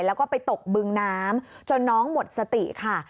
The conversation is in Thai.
แล้วก็ไปตกบึงน้ำจนน้องหมดสติค่ะ